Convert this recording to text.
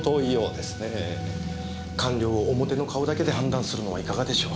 官僚を表の顔だけで判断するのはいかがでしょう。